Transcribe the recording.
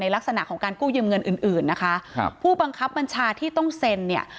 ลักษณะของการกู้ยืมเงินอื่นอื่นนะคะครับผู้บังคับบัญชาที่ต้องเซ็นเนี่ย